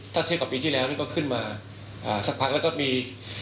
ถ้าเทียบกับปีที่แล้วนี่ก็ขึ้นมาสักพักแล้วก็มี